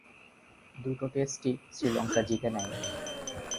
দুটো টেস্টই শ্রীলঙ্কা জিতে নেয়।